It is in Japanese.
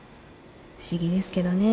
不思議ですけどね。